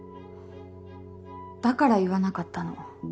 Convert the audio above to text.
だから言わなかったの。